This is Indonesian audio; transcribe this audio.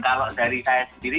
kalau dari saya sendiri